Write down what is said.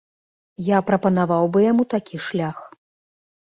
Я прапанаваў бы яму такі шлях.